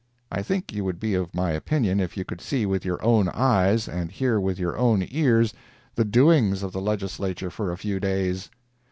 I think you would be of my opinion if you could see with your own eyes, and hear with your own ears, the doings of the Legislature for a few days.